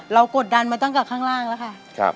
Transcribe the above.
กดดันมาตั้งแต่ข้างล่างแล้วค่ะ